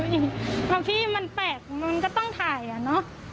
ถ่ายคลิปอีกอย่างคิดมันแตกมันก็ต้องถ่ายน่ะ